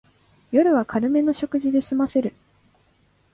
夜は軽めの食事ですませる